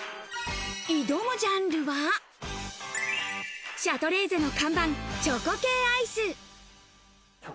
挑むジャンルはシャトレーゼの看板、チョコ系アイス。